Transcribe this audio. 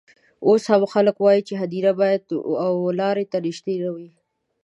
اوس هم خلک وايي هدیره باید و لاري ته نژدې نه وي.